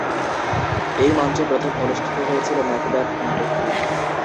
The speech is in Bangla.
এই মঞ্চে প্রথম অনুষ্ঠিত হয়েছিল "ম্যাকবেথ" নাটকটি।